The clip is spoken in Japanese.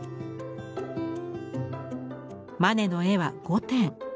マネの絵は５点。